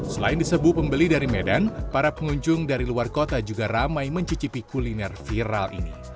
selain diserbu pembeli dari medan para pengunjung dari luar kota juga ramai mencicipi kuliner viral ini